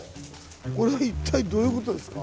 これ一体どういう事ですか？